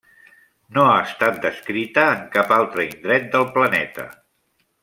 No ha estat descrita en cap altre indret del planeta.